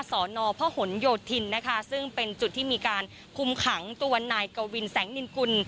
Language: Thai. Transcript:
สอนอพหนโยธินนะคะซึ่งเป็นจุดที่มีการคุมขังตัวนายกวินแสงนินกุล